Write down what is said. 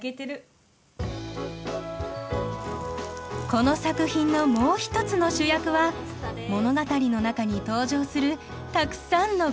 この作品のもう一つの主役は物語の中に登場するたくさんのごはん。